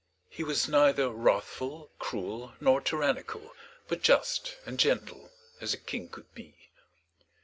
He was neither wrathful, cruel, nor tyrannical, but just and gentle as a king could be.